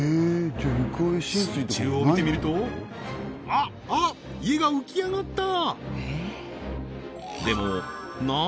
水中を見てみるとあっ家が浮き上がった！